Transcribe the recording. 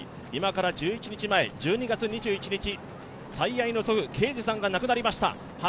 今から１１日前、１２月２１日、最愛の祖父が亡くなりました。